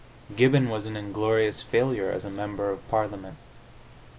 Gibbon was an inglorious failure as a member of Parliament.